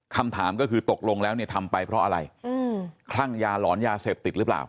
คำถามก็คือตกลงแล้วเนี่ยทำไปเพราะอะไรคลั่งยาหลอนยาเสพติดหรือเปล่า